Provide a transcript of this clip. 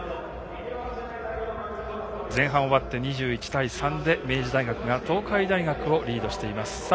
前半終わって、２１対３で明治大学が東海大学をリードしています。